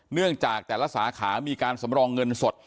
เนื่องจากแต่ละสาขามีการสำรองเงินสด